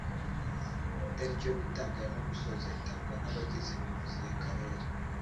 itariki yo gutangira no gusoza itangwa nabagize nyobozi ya karere